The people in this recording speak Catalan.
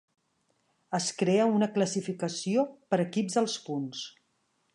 Es crea una classificació per equips als punts.